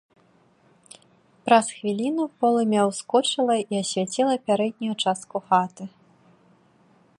Праз хвіліну полымя ўскочыла і асвяціла пярэднюю частку хаты.